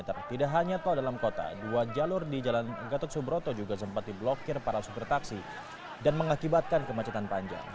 tidak hanya tol dalam kota dua jalur di jalan gatot subroto juga sempat diblokir para supir taksi dan mengakibatkan kemacetan panjang